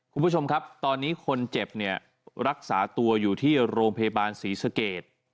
คุณผู้ชมครับตอนนี้คนเจ็บเนี่ยรักษาตัวอยู่ที่โรงพยาบาลศรีสเกต